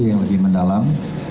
yang lebih mendalam